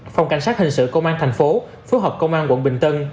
phòng cảnh sát hình sự công an tp hcm phối hợp công an quận bình tân